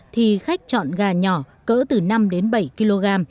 thì khách chọn gà nhỏ cỡ từ năm đến bảy kg